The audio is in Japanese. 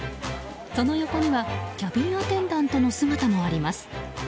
その横にはキャビンアテンダントの姿もあります。